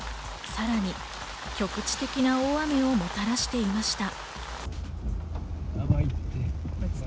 さらに局地的な大雨をもたらしていました。